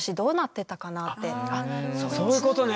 そういうことね。